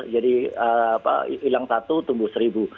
jadi hilang satu tumbuh seribu